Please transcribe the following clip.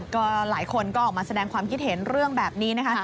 ก็หลายคนก็ออกมาแสดงความคิดเห็นเรื่องแบบนี้นะคะ